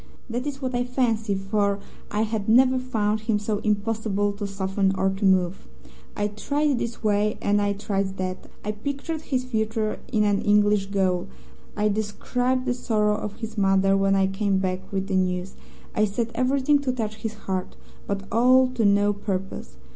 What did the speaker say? That is what I fancy, for I had never found him so impossible to soften or to move. I tried this way and I tried that; I pictured his future in an English gaol; I described the sorrow of his mother when I came back with the news; I said everything to touch his heart, but all to no purpose.